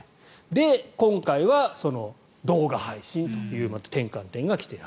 で、今回は動画配信という転換点が来ている。